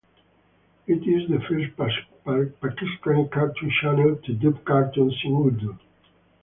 It is the first Pakistani cartoon channel to dub cartoons in Urdu.